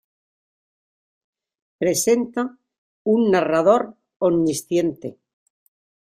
Presenta un narrador omnisciente.